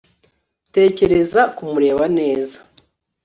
tekereza kumureba neza